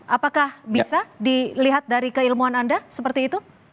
apakah bisa dilihat dari keilmuan anda seperti itu